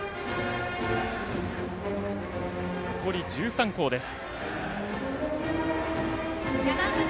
残り１３校です。